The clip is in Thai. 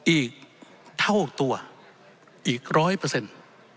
อีกเท่าตัวอีกร้อยเปอร์เซ็นต์